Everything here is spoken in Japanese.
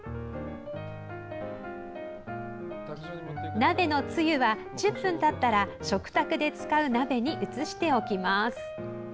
鍋のつゆは、１０分たったら食卓で使う鍋に移しておきます。